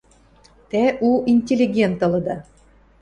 — Тӓ у интеллигент ылыда...